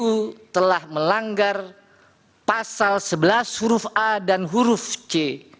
kpu telah melanggar pasal sebelas huruf a dan huruf c